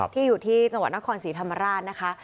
อยู่ที่จังหวัดนครศรีธรรมราชนะคะ